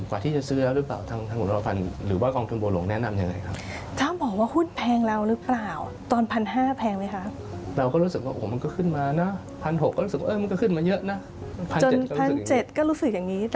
กว่าที่จะซื้อแล้วหรือเปล่าทางหมุนรภัณฑ์